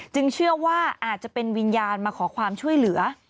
เชื่อว่าอาจจะเป็นวิญญาณมาขอความช่วยเหลือ